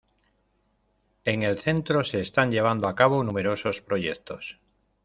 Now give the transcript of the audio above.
En el centro se están llevando a cabo numerosos proyectos.